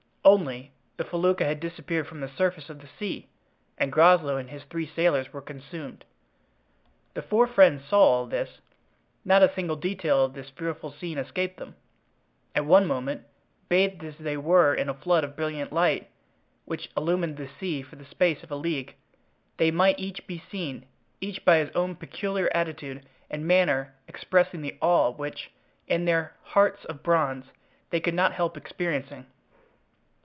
Only—the felucca had disappeared from the surface of the sea and Groslow and his three sailors were consumed. The four friends saw all this—not a single detail of this fearful scene escaped them. At one moment, bathed as they were in a flood of brilliant light, which illumined the sea for the space of a league, they might each be seen, each by his own peculiar attitude and manner expressing the awe which, even in their hearts of bronze, they could not help experiencing.